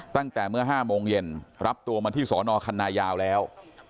ตั้งแต่เมื่อ๕โมงเย็นรับตัวมาที่สอนอคันนายาวแล้ว